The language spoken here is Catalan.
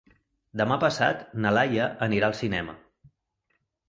Demà passat na Laia anirà al cinema.